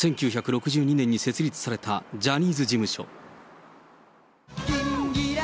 １９６２年に設立されたジャニーズ事務所。